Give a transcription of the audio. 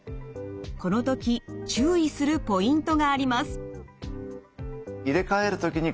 この時注意するポイントがあります。